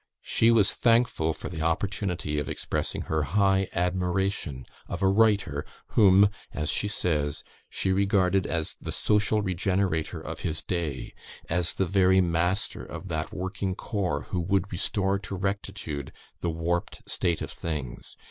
She was thankful for the opportunity of expressing her high admiration of a writer, whom, as she says, she regarded "as the social regenerator of his day as the very master of that working corps who would restore to rectitude the warped state of things.